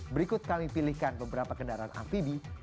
berikut kami pilihkan beberapa kendaraan amfibi